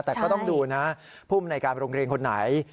แต่ก็ต้องดูนะภูมิในการโรงเรียนคนไหน